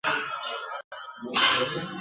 روغتیا ته پاملرنه د مور لوی مسئولیت دئ.